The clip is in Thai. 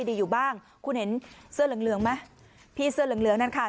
ดีอยู่บ้างคุณเห็นเสื้อเหลืองไหมพี่เสื้อเหลืองนั่นค่ะ